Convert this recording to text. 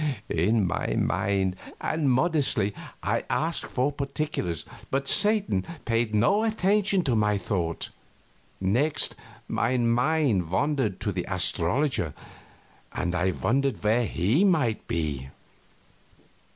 In my mind and modestly I asked for particulars, but Satan paid no attention to my thought. Next, my mind wandered to the astrologer, and I wondered where he might be.